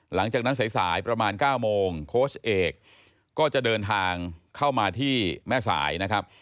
หลังจากนั้นสายประมาณ๙โมงโค้ชเอกก็จะเดินทางเข้ามาที่แม่สายนะครับ